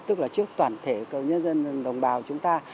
tức là trước toàn thể nhân dân đồng bào chúng ta